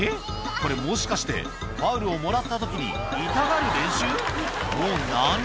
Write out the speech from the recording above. これ、もしかして、ファウルをもらったときに、痛がる練習？